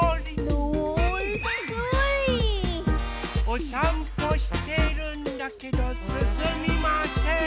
おさんぽしているんだけどすすみません。